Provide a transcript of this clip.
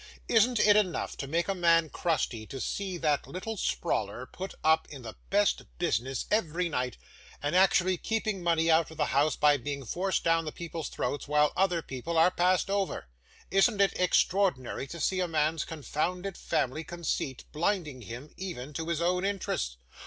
'Isn't it enough to make a man crusty to see that little sprawler put up in the best business every night, and actually keeping money out of the house, by being forced down the people's throats, while other people are passed over? Isn't it extraordinary to see a man's confounded family conceit blinding him, even to his own interest?